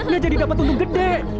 nggak jadi dapat untung gede